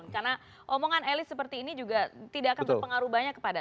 karena omongan elis seperti ini juga tidak akan berpengaruh banyak kepada